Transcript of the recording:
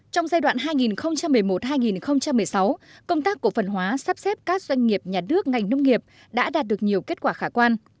trong giai đoạn hai nghìn một mươi một hai nghìn một mươi sáu công tác cổ phần hóa sắp xếp các doanh nghiệp nhà nước ngành nông nghiệp đã đạt được nhiều kết quả khả quan